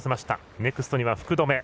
ネクストには福留。